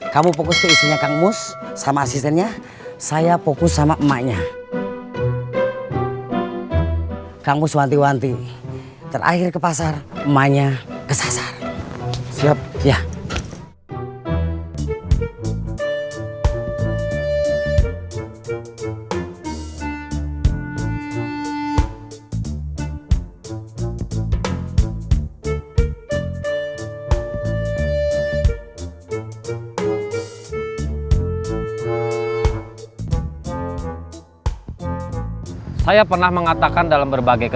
kamu fokus ke istrinya kang mus